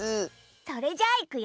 それじゃあいくよ。